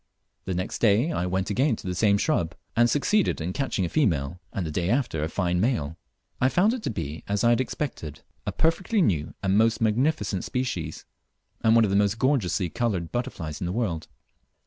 The next clay I went again to the same shrub and succeeded in catching a female, and the day after a fine male. I found it to be as I had expected, a perfectly new and most magnificent species, and one of the most gorgeously coloured butterflies in the world.